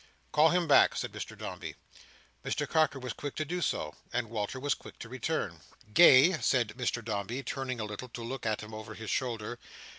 '" "Call him back," said Mr Dombey. Mr Carker was quick to do so, and Walter was quick to return. "Gay," said Mr Dombey, turning a little to look at him over his shoulder.